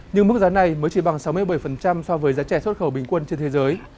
nhưng mức giá này mới chỉ bằng sáu mươi bảy so với giá trẻ xuất khẩu bình quân trên thế giới